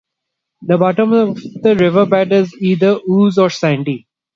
The bottom of the river bed is either ooze or sandy.